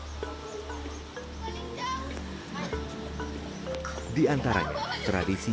tradisi warisan leluhur yang diwariskan oleh penduduk di pulau buton